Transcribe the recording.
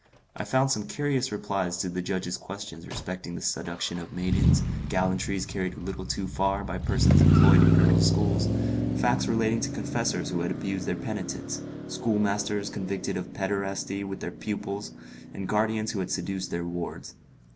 I found some curious replies to the judges' questions respecting the seduction of maidens, gallantries carried a little too far by persons employed in girls' schools, facts relating to confessors who had abused their penitents, schoolmasters convicted of pederasty with their pupils, and guardians who had seduced their wards.